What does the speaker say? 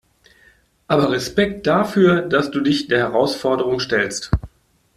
Aber Respekt dafür, dass du dich der Herausforderung stellst.